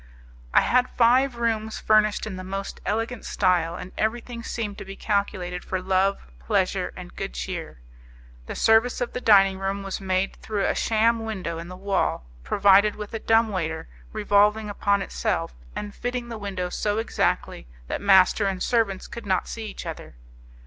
I had five rooms furnished in the most elegant style, and everything seemed to be calculated for love, pleasure, and good cheer. The service of the dining room was made through a sham window in the wall, provided with a dumb waiter revolving upon itself, and fitting the window so exactly that master and servants could not see each other.